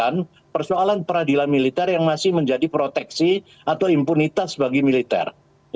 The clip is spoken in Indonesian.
menghindari atau menyelesaikan persoalan peradilan militer yang masih menjadi proteksi atau impunitas bagi militer